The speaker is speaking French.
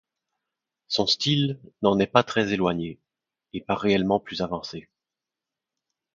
Son style n'en est pas très éloigné, et pas réellement plus avancé.